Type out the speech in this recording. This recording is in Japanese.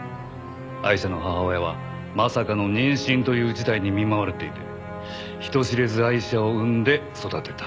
アイシャの母親はまさかの妊娠という事態に見舞われていて人知れずアイシャを産んで育てた。